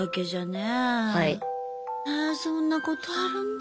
えそんなことあるんだ。